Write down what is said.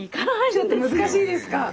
ちょっと難しいですか。